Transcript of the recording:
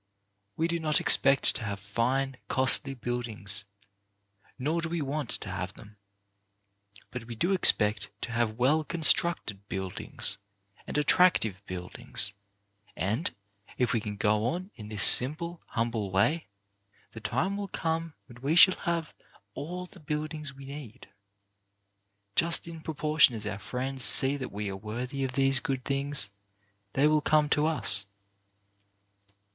We do not expect to have fine, costly buildings, nor do we want to have them. But we do expect to have well constructed buildings, and attractive buildings; and, if we can go on in this simple, humble way, the time will come when we shall have all the buildings we need. Just in propor tion as our friends see that we are worthy of these good things, they will come to us.